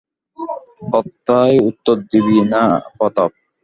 কথায় উত্তর দিবি নে প্রতাপ?